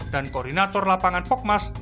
dan koordinator lapangan pokmas